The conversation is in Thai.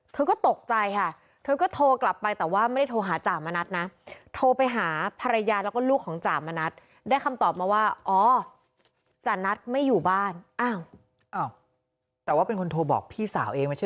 เธอก็ตกใจค่ะเธอก็โทรกลับไปแต่ว่าไม่ได้โทรหาจ่ามณัฐนะโทรไปหาภรรยาแล้วก็ลูกของจ่ามณัฐได้คำตอบมาว่าอ๋อจานัทไม่อยู่บ้านอ้าวแต่ว่าเป็นคนโทรบอกพี่สาวเองไม่ใช่